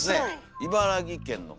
茨城県の方。